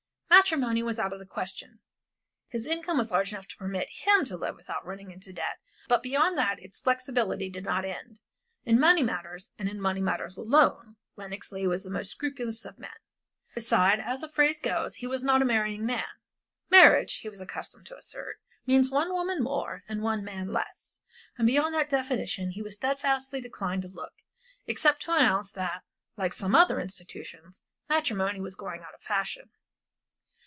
Matrimony was out of the question; his income was large enough to permit him to live without running into debt, but beyond that its flexibility did not extend, and in money matters, and in money matters alone, Lenox Leigh was the most scrupulous of men. Beside, as the phrase goes, he was not a marrying man marriage, he was accustomed to assert, means one woman more and one man less, and beyond that definition he steadfastly declined to look, except to announce that, like some other institutions, matrimony was going out of fashion.